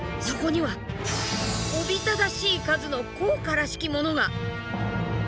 そこにはおびただしい数の硬貨らしきものが。